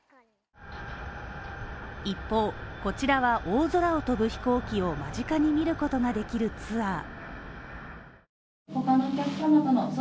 一方、こちらは大空を飛ぶ飛行機を間近に見ることができるツアー。